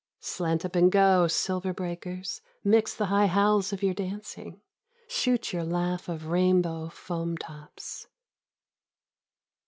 Slant up and go, silver breakers; mix the high howls of your dancing; shoot your laugh of rainbow foam tops.